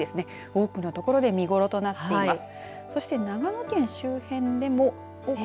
多くの所で見頃となっています。